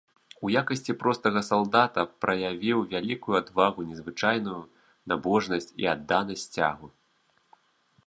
У якасці простага салдата праявіў вялікую адвагу, незвычайную набожнасць і адданасць сцягу.